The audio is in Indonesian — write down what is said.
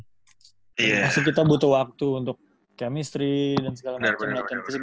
masih kita butuh waktu untuk chemistry dan segala macam